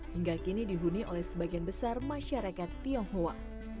hingga kini dihuni oleh sebagian besar masyarakat tionghoa